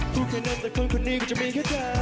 พูดคนนั้นแต่คนคนนี้ก็จะมีแค่เธอ